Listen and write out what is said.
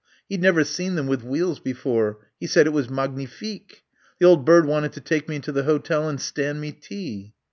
He'd never seen them with wheels before.... He said it was 'magnifique'... The old bird wanted to take me into the hotel and stand me tea."